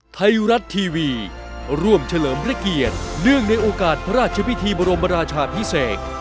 ไทยรัฐทีวีร่วมเฉลิมพระเกียรติเนื่องในโอกาสพระราชพิธีบรมราชาพิเศษ